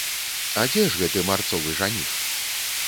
А дзе ж гэты марцовы жаніх?